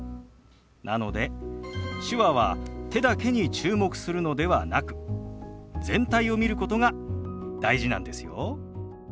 なので手話は手だけに注目するのではなく全体を見ることが大事なんですよ。